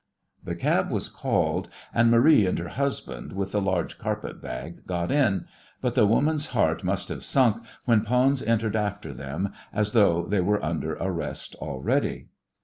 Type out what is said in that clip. The cab was called, and Marie and her husband with the large carpet bag got in, but the woman's heart must have sunk when Pons entered after them, as though they were under arrest already.